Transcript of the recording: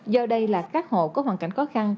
do đây là các hộ có hoàn cảnh khó khăn